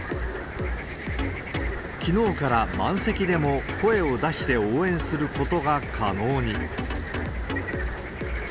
きのうから満席でも声を出して応援することが可能に。